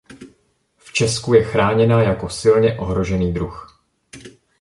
V Česku je chráněna jako silně ohrožený druh.